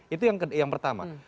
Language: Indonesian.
itu yang pertama